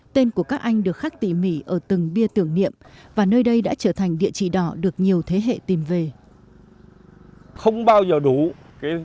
tên của các anh được khắc tỉ mỉ ở từng bia tưởng niệm và nơi đây đã trở thành địa chỉ đỏ được nhiều thế hệ tìm về